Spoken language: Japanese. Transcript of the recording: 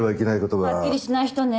はっきりしない人ね。